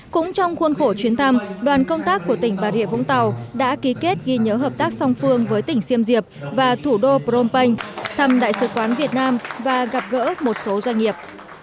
cũng trong khuôn khổ chuyến thăm đoàn công tác của tỉnh bà rịa vũng tàu đã ký kết ghi nhớ hợp tác song phương với tỉnh xiêm diệp và thủ đô phnom penh thăm đại sứ quán việt nam và gặp gỡ một số doanh nghiệp